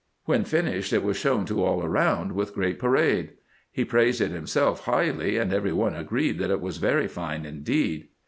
When finished, it was shown to all around with great parade. He praised it liimself highly, and every one agreed, that it was very fine indeed.